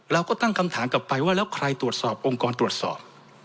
เราก็ตั้งคำถามกลับไปว่าแล้วใครตรวจสอบองค์กรตรวจสอบ